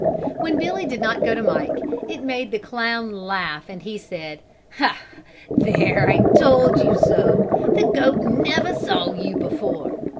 When Billy did not go to Mike, it made the clown laugh and he said: "There, I told you so. The goat never saw you before."